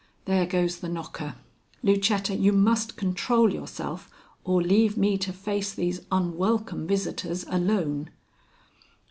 There goes the knocker. Lucetta, you must control yourself or leave me to face these unwelcome visitors alone."